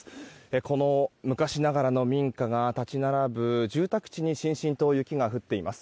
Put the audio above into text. この昔ながらの民家が立ち並ぶ住宅地にしんしんと雪が降っています。